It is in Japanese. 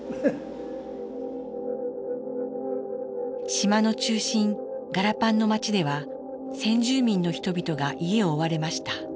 島の中心ガラパンの街では先住民の人々が家を追われました。